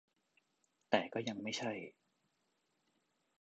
แต่ก็ยังไม่ใช่